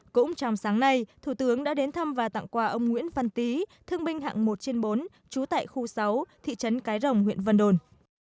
cũng trong sáng nay thủ tướng đã đến thăm và tặng quà ông nguyễn văn tý thương binh hạng một trên bốn trú tại khu sáu thị trấn cái rồng huyện vân đồn